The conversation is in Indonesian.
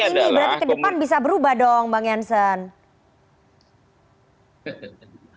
tapi ini berarti ke depan bisa berubah dong bang jansen